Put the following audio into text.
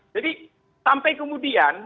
jadi sampai kemudian